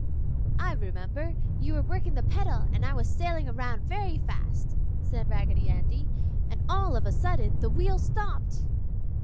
"I remember, you were working the pedal and I was sailing around very fast," said Raggedy Andy, "and all of a sudden the wheel stopped!"